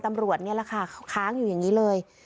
ตำรวจนี่แหละค่ะค้างอยู่อย่างนี้เลย